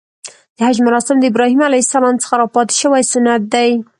د حج مراسم د ابراهیم ع څخه راپاتې شوی سنت دی .